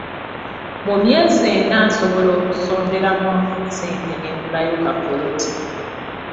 Mu myezi ena nsobola okusonderamu ssente ne ngulayo ka ppoloti.